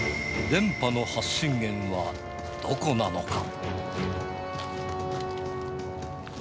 電波の発信源はどこなのか。